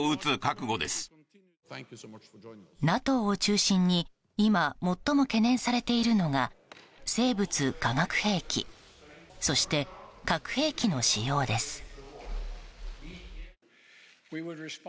ＮＡＴＯを中心に今、最も懸念されているのが生物・化学兵器そして核兵器の使用です。